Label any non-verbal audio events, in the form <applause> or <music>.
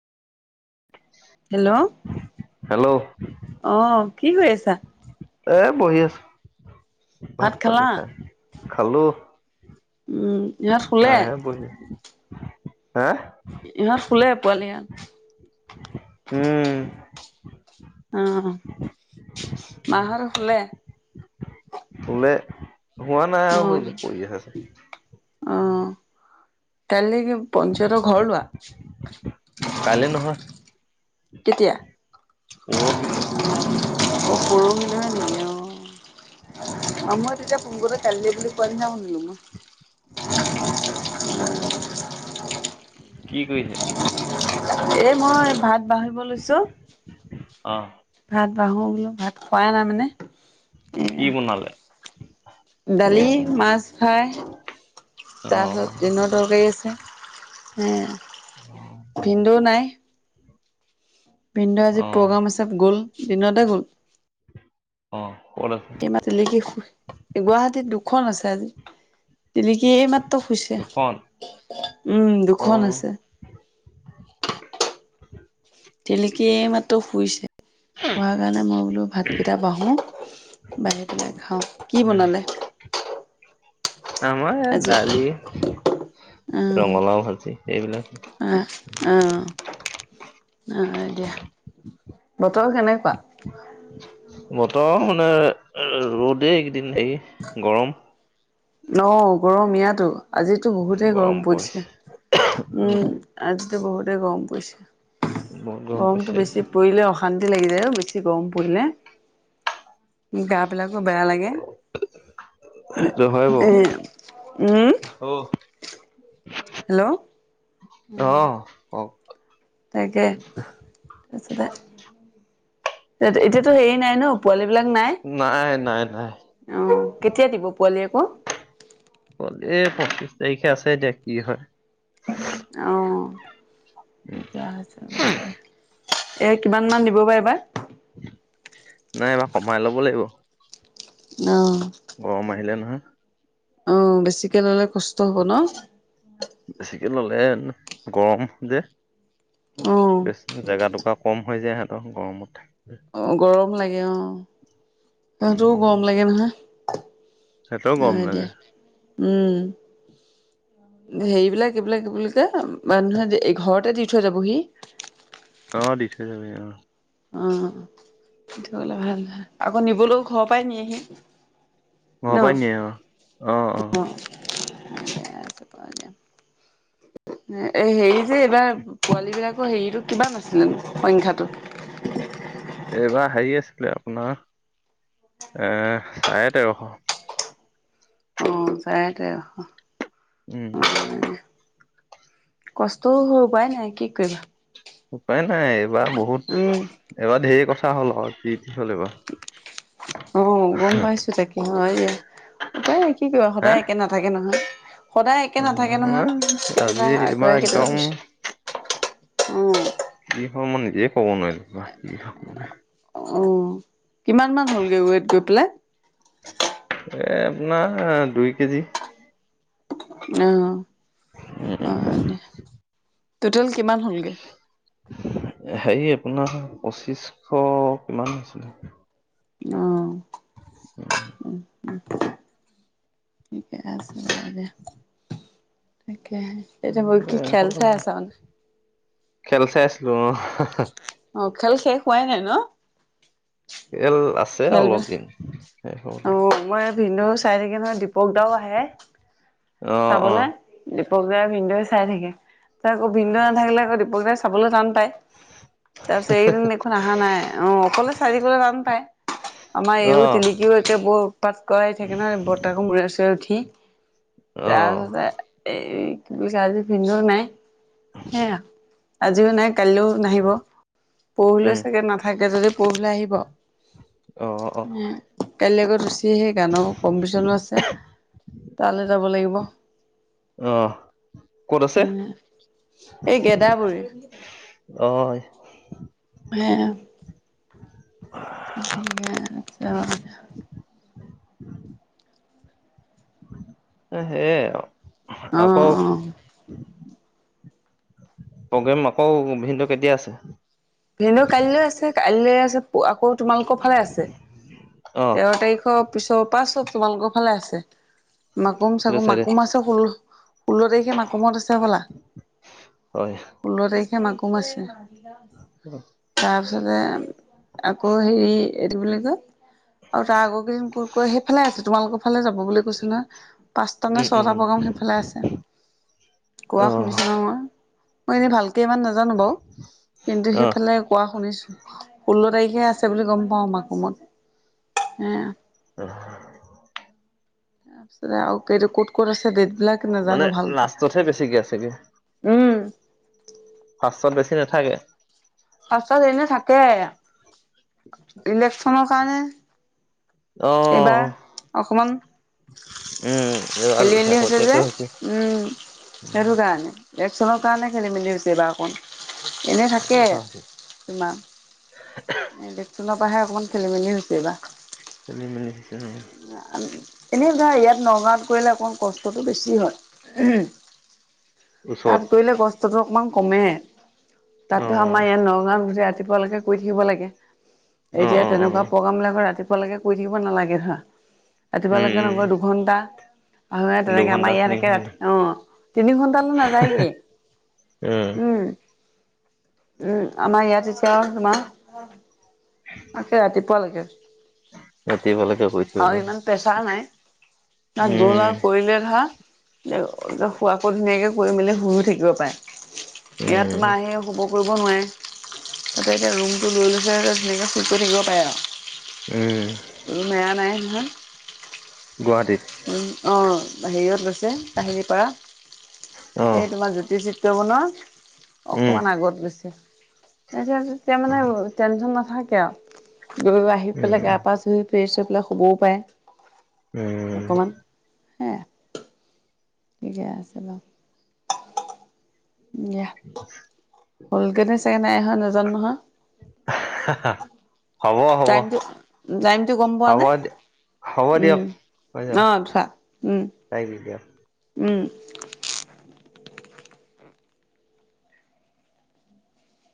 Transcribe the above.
Hello অ্ hello কি কৰি আছা? এ' বহি আছো। ভাত ভাব প খালা খা। খালো। উম', দিনত খুলে? হ। ইহঁত খুলে? পোৱালি ইহাত! হয়। মাহঁত শুলে খুলে। হোৱা নাই অ আৰু হয় ন পৰি আছেছে। তাল কি? পঞ্চায়তৰ ঘৰ লোৱা? কাইলে নহয় কেতিয়া? পৰহিলৈ পৰহিলিলৈ হে নেকি? অ' <unintelligible> অ মই তেতিয়া পোন কালিলে বুলি কোৱাৰ ন না শুনিলো মই। অ', কি কৰিৈছে? এ মই ভাত বাহিব লৈছো। অ। ভাত বাহো বোলো ভাত খোৱাই নাই মানে? কি এয়া, বনালে দালি মাছ। খাই, অ তাৰপিছত ডিমৰ তৰকাৰী আছে। উম। ভিনদেউ নাই? ভিনদেউ আজি অ প্ৰগ্ৰাম আছে গ'ল? দিনতে গ'ল। অ ক'ত আছে তেমা তেলেকি সু গুৱাহাটীত দু খন আছে আজি। তিলিকি এই মাত্ৰ শুইছে। দুখন উম, অ দুখন আছে। তিলিকি এই মাত্ৰ শুইছে। হোৱা কাৰণে মই বোলো ভাতকেইটা বাঢ়ো। বাঢ়ি পেলে খাওঁ। কি উম। বনালে আমাৰ ইয়াত, আজি দালি উম ৰঙালাও ভাজি এইবিলাকে। আহ আহ আহ, এতিয়া বতৰ কেনেকুৱা? বতৰ মানে, ৰ'দেই।। দিন ৰাতি গৰম। অ, গৰম ইয়াতো। আজিতো বহুতেই গৰম পৰিছে, উম আজ।। বহুতেই গৰম পৰিছে। বহুত গৰম গৰমটো পৰিছে বেছি পৰিলে অশান্তি।। লাগিে <inaudible> বেছি গৰম পৰিলে? গা বিলাকো বেয়া লাগে। হয় বাৰু। উ, উম। উম, হেল্ল' অ', কওক। তাকে তাৰপিছতে। এই, এতিয়াতো হেৰি নাই ন, পোৱালী বিলাক নাই নাই, নাই, নাই। আহ কেতিয়া দিব পোৱালি আকৌ? এক তাৰিখে আছে এতিয়া কি হয়। আহ ঠিকে আছে বাৰু দিয়া। এ কিমান মান দিব বাৰো এইবাৰ? নাই এই বাৰ কমাই ল'ব লাগিব। অহ, গৰম আহিলে নহয়, অ বেছিকে ললে কষ্ট হব ন? বেছিকে ল'লে, গৰম যে।। অ জেগা টোকোৰা কম হৈ যায় আৰু। একদম গৰমত থাকে। অ গৰম।। লাগে অ। সিহঁতৰো উম, গৰম লাগে নহয় সিহঁতৰো গৰম আহ এ দিয়া। লাগে। উম হেৰিবিলাক এইবিলাক এইবিলাক।। যে মানুহে যে এই ঘৰত।। তাতে দি থৈ যাবহি। অ', দিছে চাগে অ',। অ', সেটোহলে ভাল আকৌ নিবলৈও ঘৰৰ পৰাই নিয়েহি। ন ঘৰৰ পা নিয় অ-অ-অ। এই হেৰি যে এইবাৰ পোৱালী বিলাকৰ হেৰিটো কিমান আছিলে সংখ্যাটো? এইবাৰ হেৰি আছিলে আপোনাৰ এ', চাৰে তেৰশ। অ', চাৰে তেৰশ। উম। কষ্টও হয় উপায় নাই কি কৰিবা। উপায় ন। এ', এইবাৰ বহুত উম এইবাৰ ধেৰ কথা। কা হল-হল কি? অ', গম পাইছো তাকে হয় দিয়া উপায় নাই কি কৰিবা হা? সদায় একে নাথাকে নহয়। সদায় একে নাথাকে অ', নহয় আজি কেতিয়াবা এইবাৰ আগুৱাই কেতিয়াবা একদম কৈছো উ। অ', মই নিজে ক'ব নোৱাৰিলো। অ', কিমান মান হ'লগৈ ওৱেট গৈ পেলাই? এ--আপোনাৰ দুই কেজি। অ-অ। অ দে। তোল কিমান হ'লগে? হেৰি আপোনাৰ পঁচিশশ কিমান হৈছিলে। অ' উম উম ঠিকে আছে হব দে। কে এতি হ'ল কি খেল চাই আছা মানে? খেল চাই আছিলো অ',। অ', খেল শেষ? পোৱাই নাই ন? এল আছে অলপ খেলবিলাক? দিন। শেষ হ'বলে অ', মই। ভিনদৈ চাই থাকে নহয়। দীপক দাও আহে। অ অ চাবলৈ দি। পগ্ৰেম ভিৱদৈ চাই থাকে। ত আকৈ ভিনদৈ নাথাকিলে আকৈ দীপক দাই চ। চাবলৈ যাম। তাৰপিছত এইদিন দেখোন অহা নাই অ অকলে চাই থাকিবলৈ তান পায় আমাৰ অ এইও টিলিকিও একে বৰ উৎপাত কৰা থাকে নহয় বৰ্তাকৰ মূৰে চুৰে উঠি। অ তাৰপিছতে এই <inaudible> তমি কালজি ভিন্ন্দো নাই <inaudible> হেয়া। আজিও নাই। কালিলৈও নাহিব। পৰহিলৈ উম চাগে নাথাকে যদি পৰহিলৈ আহিব। অ অ সেয়া কাইলে গৈ <unintelligible> সেয়ে গানৰ কম্পিটিচনো আছে। তালৈ যাব লাগিব। অ ক'ত আছে হম, সেই গেদাবৰিৰ। অ এ সেইয়া। <unintelligible> আৰু <unintelligible> অ', সেয়ে আৰু। অ, অহ। প্ৰগ্ৰেম আকৌ ভিনদেউৰ কেতিয়া আছে? ভিনদেউৰ কাইলৈ আছে কাইলৈ আছ আকৌ তোমালোকৰ ফালে আছে। অ তেৰ তাৰিখৰ পিছৰ পৰা চব তোমালোকৰ ফালে আছে। মাকুম সেইটো চাকুম চাইডে মাকুম আছে পৰ পোন্ধৰ তাৰিখে মাকুমত আছে হব'লা হয় ষোল্ল তাৰিখ।। সেই দিনা মাকুমত আছে।। অ। তাৰপিছতে আকৌ হেৰি এইটো বুলি কয়।। আৰু তাৰ আগৰ কেইদিন ক'ত কৈ সেইফালে অ তাৰ আগতে সেই ফালে আছে। তোমালোকৰ ফালে যাব বুলি কৈছো নহয়। পাঁচটা নে উম ছয়টা প্ৰগ্ৰাম উম সেইফালে আছে কোৱা অহ শুনিছো ন মই। মই এনে ভালকে।। সিমান নাজানো বাৰু কিন্তু সেই।। অহ ইফালে কোৱা শুনিছো, ষোল্ল তাৰিখে আছে বুলি গম পাওঁ মাকুমত। হেইয়া। প <inaudible> মানে আৰুে ক'ত ক'ত আছে ডেট।। বিলাক মানে নাজানো ভালকে লাষ্টতহে বেছিকে উম।। উম ফাষ্টত বেছি নাথাকে? ফাৰ্ষ্টত এনে থাকে ইলেকচনৰ কাৰণে।। অ এইবাৰ অকমান উম এইবাৰ খেলি মেলি হৈছে শেহতীয়াকে যে, উম, উম সেইটো কাৰণে, ইলেকচনৰ কাৰণে খেলি মেলি হৈছে। দে না অকণ এনে সেইটো থাকে কথা হৈছে কিমা <unintelligible> তাৰ পৰাহে অকমান খেলি মেলি হৈছে এইবা খেলি মেলি হৈছে উম। এনেই ধৰা, ইয়াত নগাঁৱত কৰিলে, অকমান কষ্টটো বেছি হয়। তাত ওচৰত কৰিলে গছ অকমান কমে। তাত অ ধৰা, আমাৰ ইয়াত নগাঁওত গোটেই ৰা <unintelligible> পালৈকে কৈ থাকিব লাগে। অ এতিয়া অ অ তেনেকুৱা প্ৰগ্ৰামিলাক ৰাতি ব লাগে। কৰি থাকিব নালাগে হা। ৰাতিপুৱা উম লৈকে উম নহয়, দুঘন্টা অ' তেনেকে আমাৰ দুঘন্টা তিনি ইয়াতকে ঘন্টা ৰাতি, অঁ, তিনি ঘন্টালৈ নাযায় গে, উম। উম, আমাৰ ইয়াত এতিয়া <unintelligible> তাকে ৰাতিপুৱালৈকে। ৰাতিবালকে কৰি থাকিব আৰু ইমান লাগে, প্ৰেছাৰ নাই। তাত গ'ল আৰু উম। কৰিলে শোৱা আকৌ, ধুনীয়াকে কৰি মেলি শুইও থাকিব পাৰে। ইয়াত উম তোমাৰ আহে হুব কৰিব নোৱাৰে, তাতে এতিয়া ৰুমটো লৈ লৈছে তেনেকৈ শুই কৰি থাকিব পাৰে উম আৰু। বেয়া নাই, হম। গুৱাহাটী উম অঁ। হেৰিয়ত গৈছে কাহিলীপাৰা, অ এই তোমাৰ জ্যোতি চিত <unintelligible> উম অকমান আগত গৈছে। <unintelligible> তেতিয়া মানে টেনশ্যন নাথা কিয়। গৈ আহি পেলাই, উম গা পা ধুই ফ্ৰেছ হৈ পেলাই শুবও পাৰে। উম অকমান হ, ঠিকে আছে বাৰ। <inaudible> সলগনে চে নাই, হয় নাজানো নহয়। হা হা হ'ব হ'ব টাইমটো টাইমটো গম পোৱা হ'ব নে? হ'ব উম, দিয়ক হৈ যাব অ', আচ্ছা। উম। তাইক দি দিয়া উম।